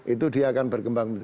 itu dia akan berkembang